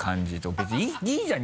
別にいいじゃん！